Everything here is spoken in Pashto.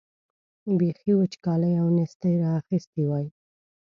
بېخي وچکالۍ او نېستۍ را اخیستي وای.